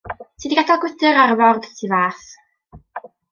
Ti 'di gadel gwydr ar y ford tu fas.